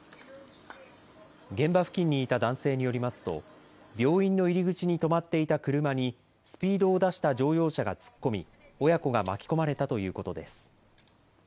現場付近にいた男性によりますと病院の入り口に止まっていた車にスピードを出した乗用車が突っ込み親子が巻き込まれたということです。